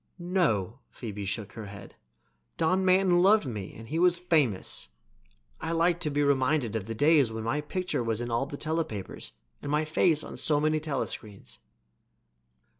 "No," Phoebe shook her blonde head. "Don Manton loved me and he was famous. I like to be reminded of the days when my picture was in all the telepapers and my face on so many telescreens."